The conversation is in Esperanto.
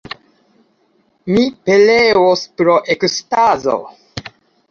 Mi pereos pro ekstazo!